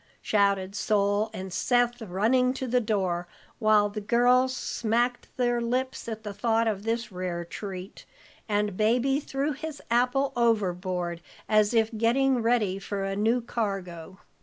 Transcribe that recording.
shouted Sol and Seth, running to the door, while the girls smacked their lips at the thought of this rare treat, and Baby threw his apple overboard, as if getting ready for a new cargo.